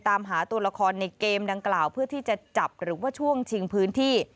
ตามหาตัวละครในเกมดังกล่าวเพื่อที่จะจับหรือว่าช่วงชิงพื้นที่